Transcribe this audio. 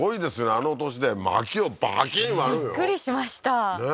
あの年で薪をバキン割るのよびっくりしましたね